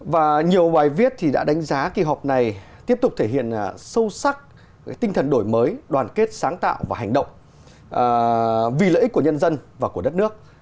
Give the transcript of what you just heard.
và nhiều bài viết đã đánh giá kỳ họp này tiếp tục thể hiện sâu sắc tinh thần đổi mới đoàn kết sáng tạo và hành động vì lợi ích của nhân dân và của đất nước